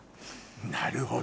なるほど。